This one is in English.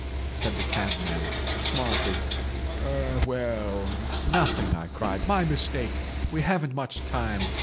said the cabman, smartly. 'Er—well—it's nothing,' I cried. 'My mistake! We haven't much time!